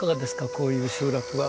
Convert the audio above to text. こういう集落は。